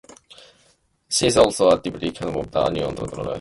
She is also the Deputy Chairman of the Union of Lawyers of Ukraine.